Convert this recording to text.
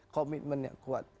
komitmen yang kuat